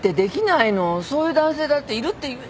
そういう男性だっているっていうじゃないの。